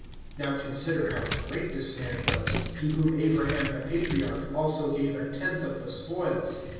(4)Now consider how great this man was, to whom Abraham the patriarch also gave a tenth of the spoils.